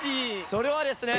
それはですね。